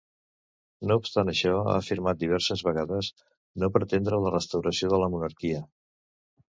No obstant això, ha afirmat diverses vegades no pretendre la restauració de la monarquia.